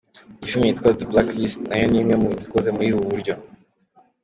Iyi film yitwa The Blacklist nayo ni imwe mu zikoze muri ubwo buryo.